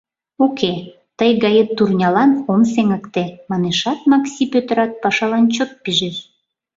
— Уке, тый гает турнялан ом сеҥыкте, — манешат, Макси Пӧтырат пашалан чот пижеш.